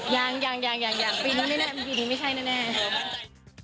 ยังปีนี้ไม่ใช่แน่